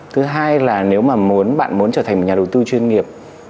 thứ hai là nếu mà bạn muốn trở thành một nhà đầu tư chuyên nghiệp